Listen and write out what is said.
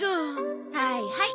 はいはい。